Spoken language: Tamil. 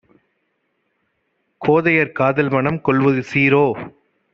கோதையர் காதல்மணம் கொள்வது சீரோ?